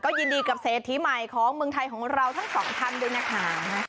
ยินดีกับเศรษฐีใหม่ของเมืองไทยของเราทั้งสองท่านด้วยนะคะ